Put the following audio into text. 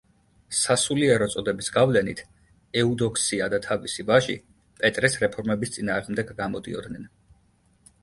სასულიერო წოდების გავლენით, ეუდოქსია და თავისი ვაჟი პეტრეს რეფორმების წინააღმდეგ გამოდიოდნენ.